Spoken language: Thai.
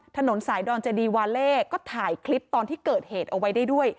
ถนนสายดอนเจดีวาเล่ก็ถ่ายคลิปตอนที่เกิดเหตุเอาไว้ได้ด้วย